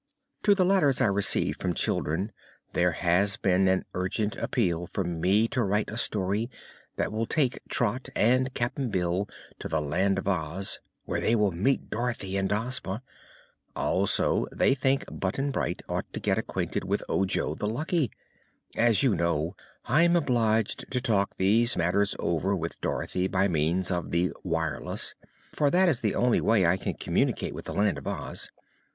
In the letters I receive from children there has been an urgent appeal for me to write a story that will take Trot and Cap'n Bill to the Land of Oz, where they will meet Dorothy and Ozma. Also they think Button Bright ought to get acquainted with Ojo the Lucky. As you know, I am obliged to talk these matters over with Dorothy by means of the "wireless," for that is the only way I can communicate with the Land of Oz.